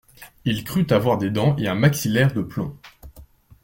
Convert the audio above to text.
Il crut avoir des dents et un maxillaire de plomb.